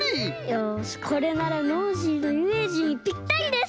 よしこれならノージーのイメージにぴったりです！